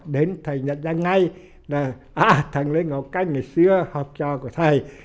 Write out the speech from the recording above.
đến thầy nhận ra ngay là thằng lê ngọc canh ngày xưa học trò của thầy